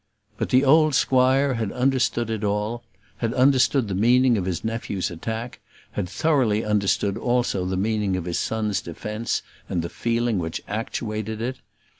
But the old squire had understood it all; had understood the meaning of his nephew's attack; had thoroughly understood also the meaning of his son's defence, and the feeling which actuated it.